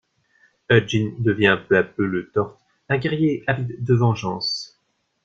Hutgin devient peu à peu le Torte, un guerrier avide de vengeance.